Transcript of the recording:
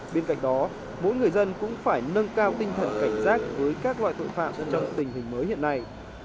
bên cạnh đó mỗi người dân cũng phải nâng cao tinh thần cảnh giác với các loại tội phạm trong tình hình mới hiện nay